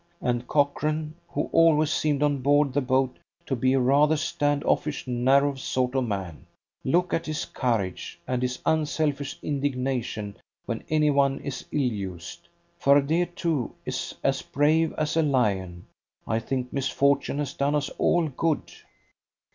And Cochrane, who always seemed on board the boat to be a rather stand offish, narrow sort of man! Look at his courage, and his unselfish indignation when any one is ill used. Fardet, too, is as brave as a lion. I think misfortune has done us all good."